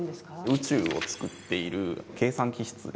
宇宙を作っている計算機室ですね。